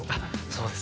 そうです。